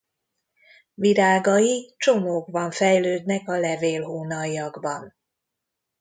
Virágai csomókban fejlődnek a levélhónaljakban.